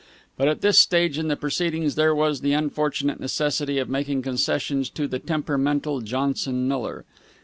But at this stage in the proceedings there was the unfortunate necessity of making concessions to the temperamental Johnson Miller.